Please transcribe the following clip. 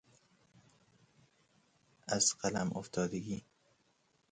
از فلم افتادگی